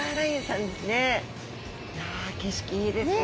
いや景色いいですね。